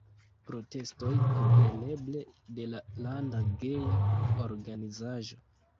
Protestoj, kompreneble, de la landa geja organizaĵo.